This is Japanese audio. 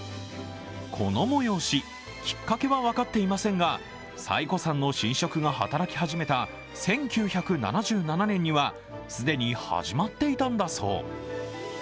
この催し、きっかけは分かっていませんが、最古参の神職が働き始めた１９７７年には既に始まっていたんだそう。